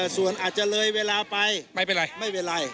ส่วนอาจจะเลยเวลาไปไม่เวลา